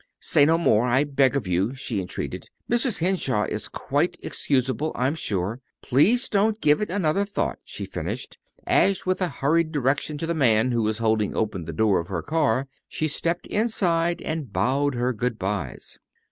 "Say no more, I beg of you," she entreated. "Mrs. Henshaw is quite excusable, I'm sure. Please don't give it another thought," she finished, as with a hurried direction to the man who was holding open the door of her car, she stepped inside and bowed her good byes.